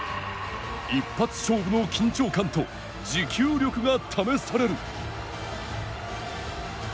一発勝負の緊張感と持久力が試される。